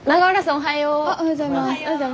おはようございます。